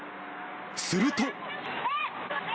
すると。